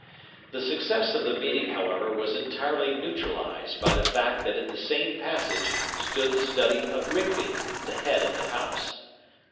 The success of the meeting, however, was entirely neutralised by the fact that in the same passage stood the study of Rigby, the head of the house.